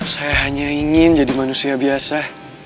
saya hanya ingin jadi manusia biasa